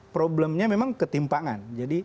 problemnya memang ketimpangan